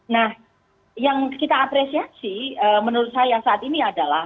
nah yang kita apresiasi menurut saya saat ini adalah